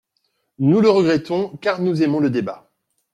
Nous le regrettons, car nous aimons le débat.